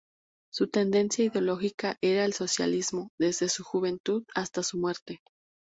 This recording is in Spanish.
Su tendencia ideológica era el socialismo, desde su juventud hasta su muerte.